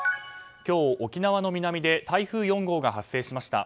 今日、沖縄の南で台風４号が発生しました。